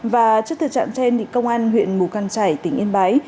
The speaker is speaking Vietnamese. và trước thời trạng trên công an huyện mù căng trải tỉnh yên bái